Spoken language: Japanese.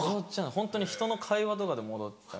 ホントに人の会話とかでも踊っちゃう。